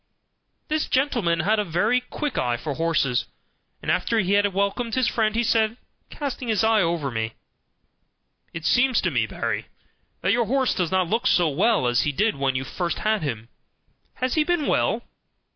This gentleman had a very quick eye for horses; and after he had welcomed his friend he said, casting his eye over me: "It seems to me, Barry, that your horse does not look so well as he did when you first had him; has he been well?"